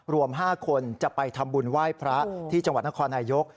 รวม๕คนจะไปทำบุญไหว้พระที่จังหวัดนครนายก